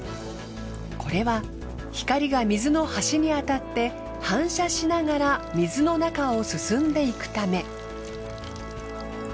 これは光が水の端に当たって反射しながら水の中を進んでいくため。